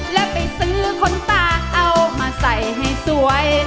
แล้วไปซื้อคนตาเอามาใส่ให้สวย